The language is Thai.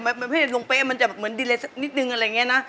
เมื่อที่จะลงเป้มมันจะเหมือนดีเลสนิดหนึ่งอะไรอย่างนี้นะ